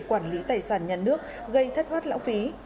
quản lý tài sản nhận nước gây thất thoát lão phí